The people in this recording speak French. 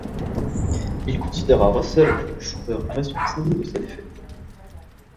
Il considéra Russell Alexander Alger responsable de sa défaite.